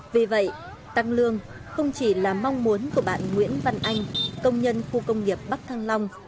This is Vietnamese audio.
vì vậy tăng lương không chỉ là mong muốn của bạn nguyễn văn anh công nhân khu công nghiệp bắc thăng long